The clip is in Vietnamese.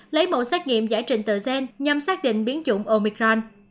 lấy mẫu xét nghiệm giải trình tựa gen nhằm xác định biến dụng omicron